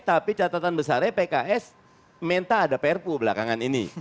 tapi catatan besarnya pks minta ada prpu belakangan ini